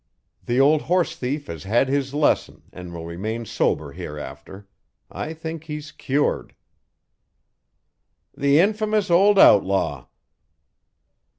The old horsethief has had his lesson and will remain sober hereafter. I think he's cured." "The infamous old outlaw!"